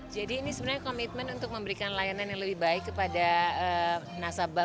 jadi ini sebenarnya komitmen untuk memberikan layanan yang lebih baik kepada nasabah